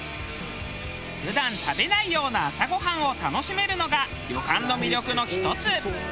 普段食べないような朝ごはんを楽しめるのが旅館の魅力の一つ。